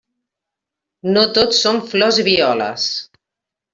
No tot són flors i violes.